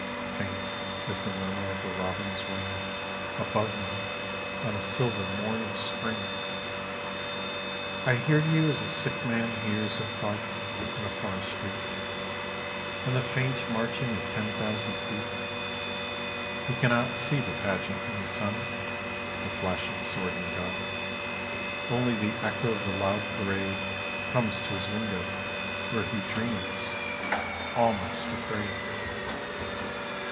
Faint as the murmur of a robin's wing Above me on a silver mom of Spring. TWO SONGS OF LONDON I hear you as a sick man hears a life In a far street, And the faint marching of ten thousand feet. He cannot see the pageant in the sun, The flashing sword and gun; Only the echo of the loud parade Comes to his window where he dreams, almost afraid.